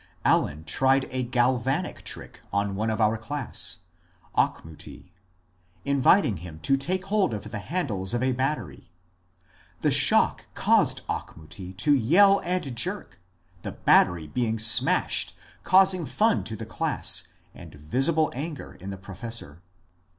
Allen tried a galvanic trick on one of our class (Auchmuty), inviting him to take hold of the handles of a battery. The shock caused Auchmuty to yell and jerk, the battery being smashed, caus ing fun to the class and visible anger in the professor.